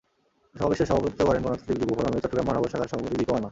সমাবেশে সভাপতিত্ব করেন গণতান্ত্রিক যুব ফোরামের চট্টগ্রাম মহানগর শাখার সভাপতি জিকো মারমা।